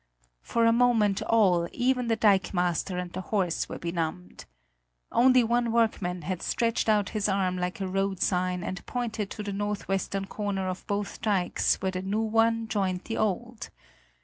For a moment all, even the dikemaster and the horse were benumbed. Only one workman had stretched out his arm like a road sign and pointed to the northwestern corner of both dikes where the new one joined the old.